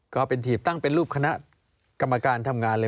ก็เป็นถีบตั้งเป็นรูปคณะกรรมการทำงานเลย